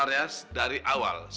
sebenarnya saya ingin menjelaskan